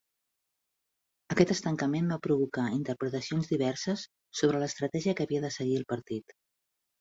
Aquest estancament va provocar interpretacions diverses sobre l'estratègia que havia de seguir el partit.